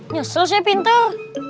nyesel saya pinter